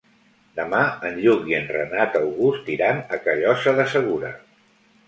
Demà en Lluc i en Renat August iran a Callosa de Segura.